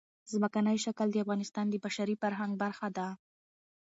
ځمکنی شکل د افغانستان د بشري فرهنګ برخه ده.